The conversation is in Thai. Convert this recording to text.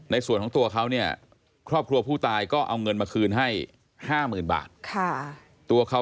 ในส่วนของตัวเขาเนี่ยครอบครัวผู้ตายก็เอาเงินมาคืนให้๕๐๐๐บาท